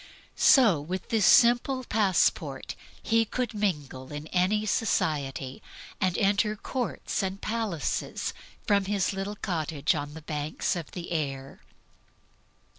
So with this simple passport he could mingle with any society, and enter courts and palaces from his little cottage on the banks of the Ayr.